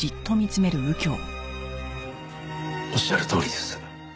おっしゃるとおりです。